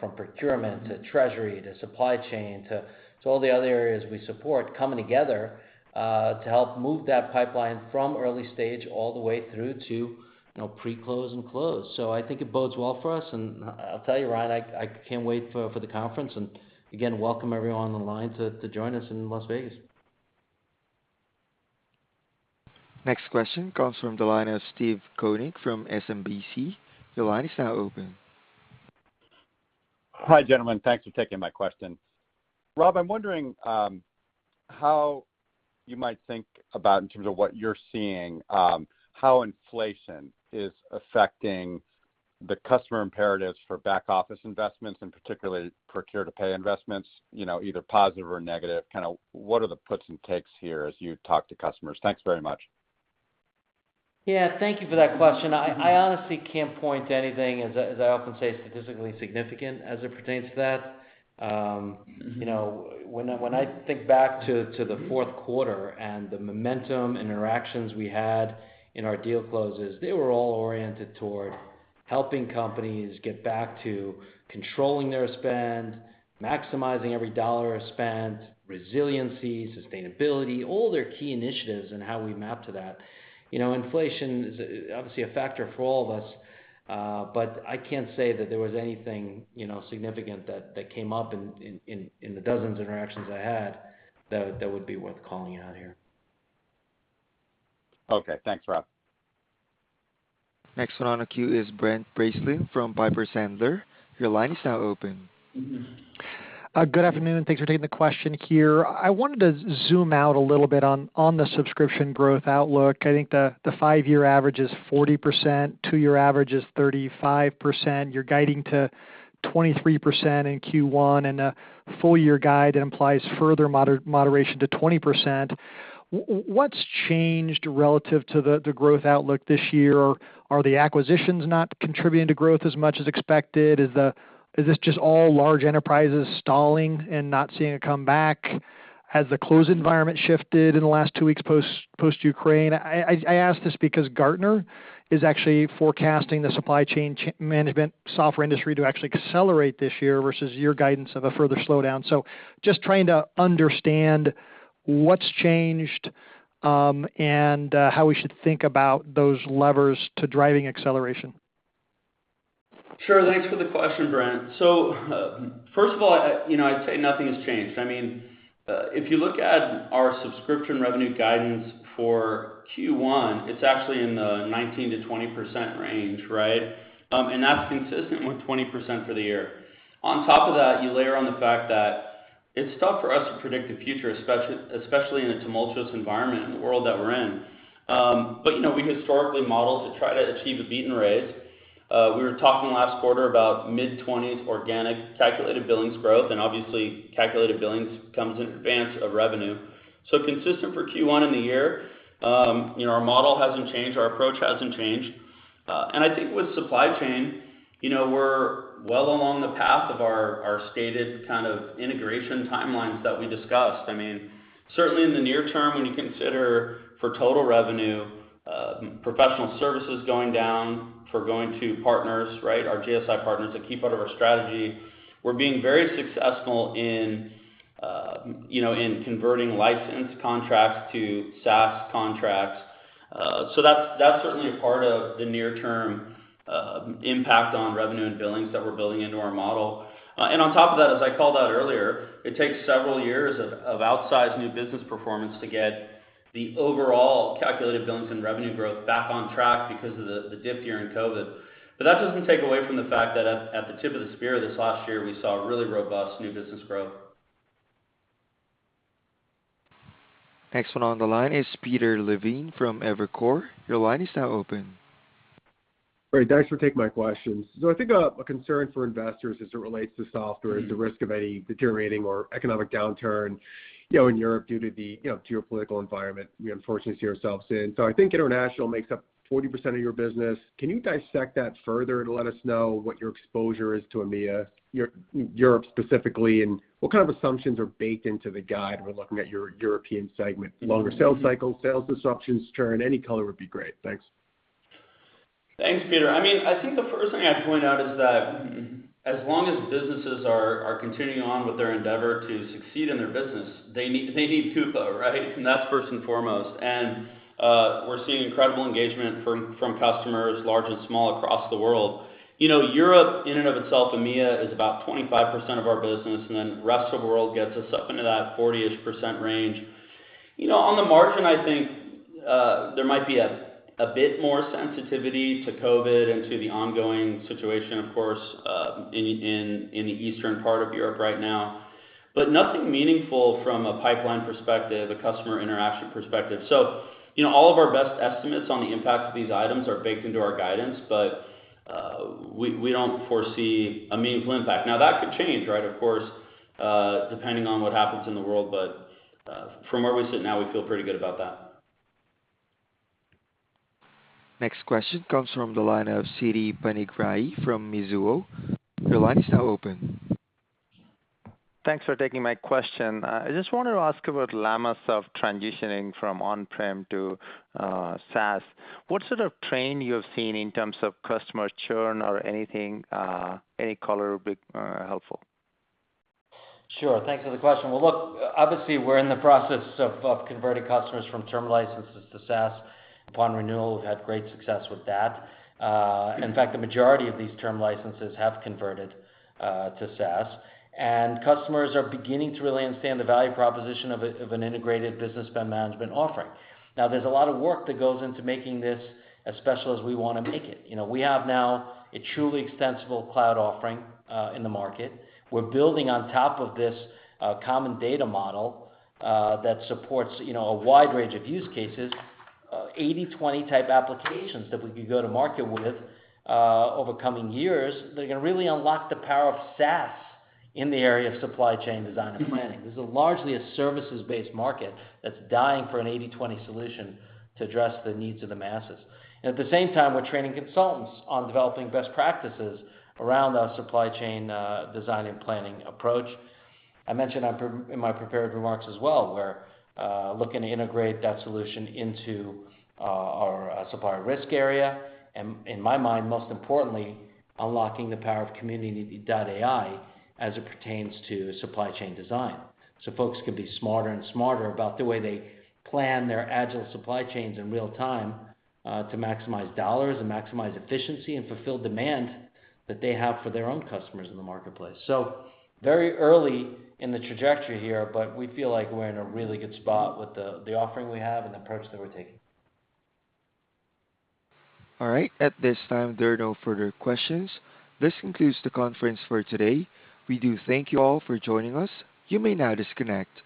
from procurement to treasury to supply chain to all the other areas we support coming together to help move that pipeline from early stage all the way through to, you know, pre-close and close. I think it bodes well for us, and I'll tell you, Ryan, I can't wait for the conference. Again, welcome everyone on the line to join us in Las Vegas. Next question comes from the line of Steve Koenig from SMBC. Your line is now open. Hi, gentlemen. Thanks for taking my question. Rob, I'm wondering, how you might think about, in terms of what you're seeing, how inflation is affecting the customer imperatives for back office investments and particularly procure to pay investments, you know, either positive or negative, kind of what are the puts and takes here as you talk to customers? Thanks very much. Yeah, thank you for that question. I honestly can't point to anything, as I often say, statistically significant as it pertains to that. You know, when I think back to the fourth quarter and the momentum, interactions we had in our deal closes, they were all oriented toward helping companies get back to controlling their spend, maximizing every dollar spent, resiliency, sustainability, all their key initiatives and how we map to that. You know, inflation is obviously a factor for all of us, but I can't say that there was anything, you know, significant that came up in the dozens of interactions I had that would be worth calling out here. Okay. Thanks, Rob. Next one on the queue is Brent Bracelin from Piper Sandler. Your line is now open. Good afternoon. Thanks for taking the question here. I wanted to zoom out a little bit on the subscription growth outlook. I think the five year average is 40%, two year average is 35%. You're guiding to 23% in Q1 and full year guide implies further moderation to 20%. What's changed relative to the growth outlook this year? Are the acquisitions not contributing to growth as much as expected? Is this just all large enterprises stalling and not seeing a comeback? Has the close environment shifted in the last two weeks post-Ukraine? I ask this because Gartner is actually forecasting the supply chain management software industry to actually accelerate this year versus your guidance of a further slowdown. Just trying to understand what's changed and how we should think about those levers to driving acceleration. Sure. Thanks for the question, Brent. First of all, you know, I'd say nothing has changed. I mean, if you look at our subscription revenue guidance for Q1, it's actually in the 19%-20% range, right? That's consistent with 20% for the year. On top of that, you layer on the fact that it's tough for us to predict the future, especially in a tumultuous environment and the world that we're in. You know, we historically model to try to achieve a beat and raise. We were talking last quarter about mid-20s organic calculated billings growth, and obviously, calculated billings comes in advance of revenue. Consistent for Q1 in the year. You know, our model hasn't changed, our approach hasn't changed. I think with supply chain, you know, we're well along the path of our stated kind of integration timelines that we discussed. I mean, certainly in the near term, when you consider for total revenue, professional services going down for going to partners, right? Our GSI partners, a key part of our strategy. We're being very successful in you know converting licensed contracts to SaaS contracts. That's certainly a part of the near-term impact on revenue and billings that we're building into our model. On top of that, as I called out earlier, it takes several years of outsized new business performance to get the overall calculated billings and revenue growth back on track because of the dip here in COVID. that doesn't take away from the fact that at the tip of the spear this last year, we saw really robust new business growth. Next one on the line is Peter Levine from Evercore. Your line is now open. Great. Thanks for taking my questions. I think a concern for investors as it relates to software is the risk of any deteriorating or economic downturn, you know, in Europe due to the, you know, geopolitical environment we unfortunately see ourselves in. I think international makes up 40% of your business. Can you dissect that further to let us know what your exposure is to EMEA, Europe specifically, and what kind of assumptions are baked into the guide when looking at your European segment, longer sales cycles, sales assumptions, churn, any color would be great. Thanks. Thanks, Peter. I mean, I think the first thing I'd point out is that as long as businesses are continuing on with their endeavor to succeed in their business, they need Coupa, right? That's first and foremost. We're seeing incredible engagement from customers large and small across the world. You know, Europe in and of itself, EMEA, is about 25% of our business, and then rest of the world gets us up into that 40%-ish range. You know, on the margin, I think there might be a bit more sensitivity to COVID and to the ongoing situation, of course, in the eastern part of Europe right now. Nothing meaningful from a pipeline perspective, a customer interaction perspective. You know, all of our best estimates on the impact of these items are baked into our guidance, but we don't foresee a meaningful impact. Now, that could change, right, of course, depending on what happens in the world. From where we sit now, we feel pretty good about that. Next question comes from the line of Siti Panigrahi from Mizuho. Your line is now open. Thanks for taking my question. I just wanted to ask about LLamasoft transitioning from on-prem to SaaS. What sort of trend you have seen in terms of customer churn or anything, any color would be helpful. Sure. Thanks for the question. Well, look, obviously, we're in the process of converting customers from term licenses to SaaS. Upon renewal, we've had great success with that. In fact, the majority of these term licenses have converted to SaaS, and customers are beginning to really understand the value proposition of an integrated business spend management offering. Now, there's a lot of work that goes into making this as special as we wanna make it. You know, we have now a truly extensible cloud offering in the market. We're building on top of this common data model that supports, you know, a wide range of use cases, 80/20 type applications that we can go to market with over coming years, that can really unlock the power of SaaS in the area of supply chain design and planning. This is largely a services-based market that's dying for an 80/20 solution to address the needs of the masses. At the same time, we're training consultants on developing best practices around our supply chain, design and planning approach. I mentioned in my prepared remarks as well, we're looking to integrate that solution into our supplier risk area, and in my mind, most importantly, unlocking the power of Community.ai as it pertains to supply chain design. Folks can be smarter and smarter about the way they plan their agile supply chains in real time to maximize dollars and maximize efficiency, and fulfill demand that they have for their own customers in the marketplace. Very early in the trajectory here, but we feel like we're in a really good spot with the offering we have and the approach that we're taking. All right. At this time, there are no further questions. This concludes the conference for today. We do thank you all for joining us. You may now disconnect.